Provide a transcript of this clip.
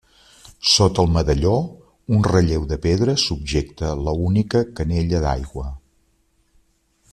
Sota el medalló, un relleu de pedra subjecta l'única canella d'aigua.